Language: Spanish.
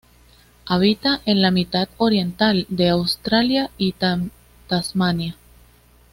Habita en la mitad oriental de Australia y Tasmania.